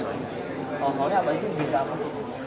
soal soalnya apa sih